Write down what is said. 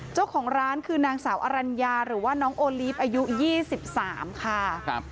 เจ้าของร้านคือนางสาวอรัญญาหรือว่าน้องโอลีฟอายุ๒๓ค่ะ